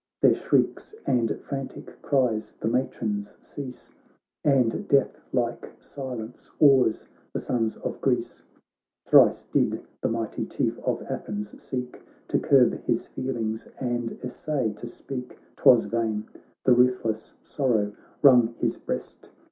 Their shrieks and frantic cries the matrons cease, And death like silence awes the sons of Greece. Thrice did the mighty Chief of Athens seek To curb his feelings and essay to speak ; BOOK II 17 Twas vain — the ruthless sorrow wrung his breast.